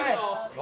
何？